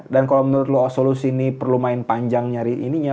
dan kalo menurut lo solusi ini perlu main panjang nyari ini nya